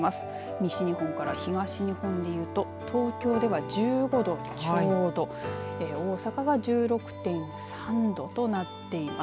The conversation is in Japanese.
西日本から東日本でいうと東京では１５度ちょうど大阪は１６．３度となっています。